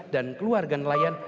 dan keluarga nelayan